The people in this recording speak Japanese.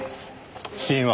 死因は？